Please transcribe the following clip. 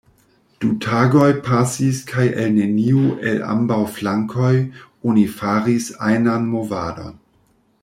Du tagoj pasis kaj el neniu el ambaŭ flankoj oni faris ajnan movadon.